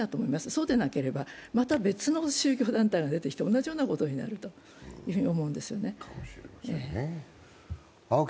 そうでなければまた別の宗教団体が出てきて同じようなことになると思うんですね。